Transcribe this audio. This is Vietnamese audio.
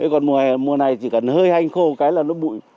còn mùa này chỉ cần hơi hanh khô cái là nó bụi